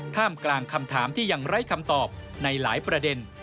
ท่ามกลางคำถามที่ยังไร้คำตอบในหลายประเด็น